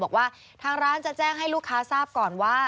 บอกว่าทางร้านจะแจ้งให้ลูกค้าทราบก่อนว่า